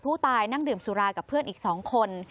นั่งดื่มสุรากับเพื่อนอีก๒คน